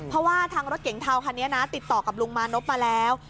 เพราะว่าทางรถเก๋งเทาคันนี้นะติดต่อกับลุงมานพมาแล้ว